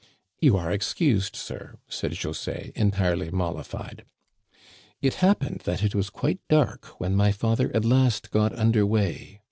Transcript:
" You are excused, sir," said José, entirely mollified. It happened that it was quite dark when my father at last got under way.